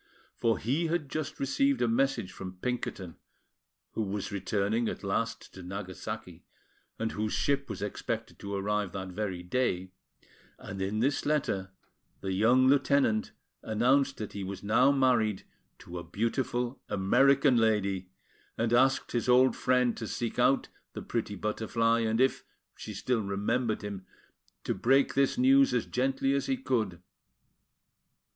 For he had just received a message from Pinkerton, who was returning at last to Nagasaki, and whose ship was expected to arrive that very day; and in this letter the young lieutenant announced that he was now married to a beautiful American lady, and asked his old friend to seek out the pretty Butterfly, and if she still remembered him, to break this news as gently as he could.